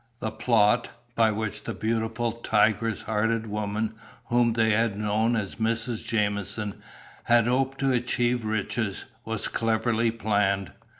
The plot, by which the beautiful tigress hearted woman whom they had known as Mrs. Jamieson had hoped to achieve riches, was cleverly planned.